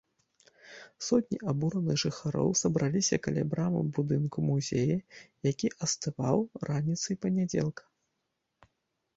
Сотні абураных жыхароў сабраліся каля брамы будынка музея, які астываў, раніцай панядзелка.